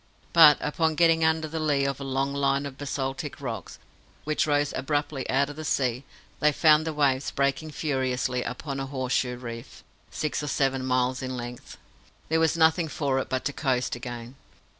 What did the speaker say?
But, upon getting under the lee of a long line of basaltic rocks which rose abruptly out of the sea, they found the waves breaking furiously upon a horseshoe reef, six or seven miles in length. There was nothing for it but to coast again.